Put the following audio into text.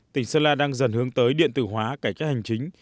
tỉnh sơn la đang dần hướng tới điện tử hóa cải cách hành chính